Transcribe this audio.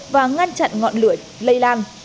và ngăn chặn ngọn lưỡi lây lan